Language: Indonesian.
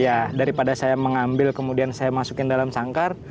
iya daripada saya mengambil kemudian saya masukin dalam sangkar